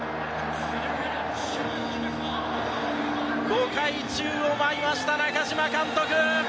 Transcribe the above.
５回、宙を舞いました中嶋監督！